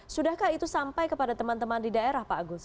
sudahkah itu sampai kepada teman teman di daerah pak agus